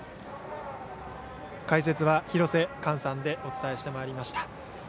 解説は廣瀬寛さんでお伝えしてまいりました。